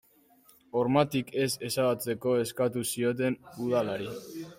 Hormatik ez ezabatzeko eskatu zioten udalari.